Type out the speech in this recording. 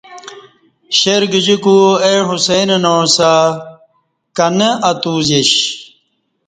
شیر گجیکو اے حصین ناعسہ کہ نہ اتو زیش